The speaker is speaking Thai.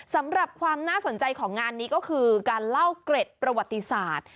สำหรับความน่าสนใจของงานนี้ก็คือการเล่าเกร็ดประวัติศาสตร์